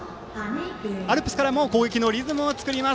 アルプスからも攻撃のリズムを作ります。